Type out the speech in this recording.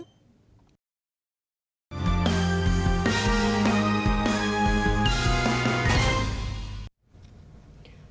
đại vi lanía than japanese